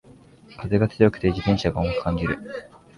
風が強くて自転車が重く感じる